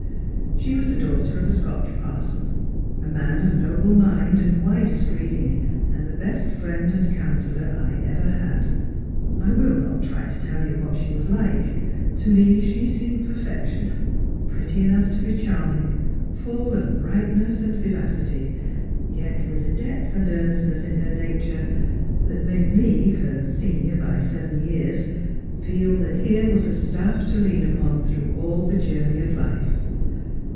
She was the daughter of a Scotch parson, a mm of noble mind and widest reading, and the best friend and •'■•.Hsellor I ever had. I will not try to tell you what she v^.t >fce. To me she seemed perfection, pretty enough t<> eo charm .", fu^ "'viqhtness and vivacity, yet with a derth Strangers and Pilfjrimt. 43 and earnestness in her nature, that made me — her senior by seven years — feel that here was a staff to lean upon through all the iourney of life.